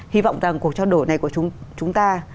hy vọng rằng cuộc trao đổi này của chúng ta